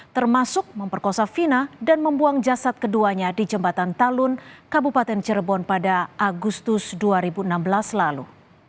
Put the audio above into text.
termasuk memperkosa vina dan membuang jasad keduanya di jembatan talun kabupaten cirebon pada agustus dua ribu enam belas lalu